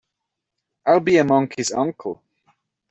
I'll be a monkey's uncle!